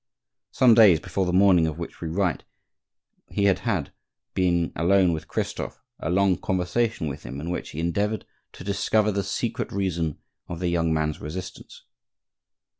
Some days before the morning of which we write, he had had, being alone with Christophe, a long conversation with him in which he endeavored to discover the secret reason of the young man's resistance.